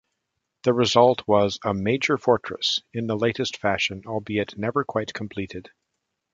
The result was a "major fortress in the latest fashion", albeit never quite completed.